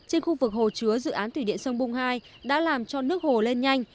trên khu vực hồ chứa dự án thủy điện sông bung hai đã làm cho nước hồ lên nhanh